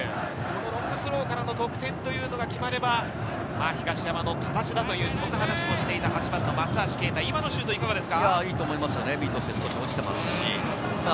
ロングスローからの得点というのが決まれば、東山の形だという、そんな話もしていた８番の松橋啓太、今のシュート、いかがですか？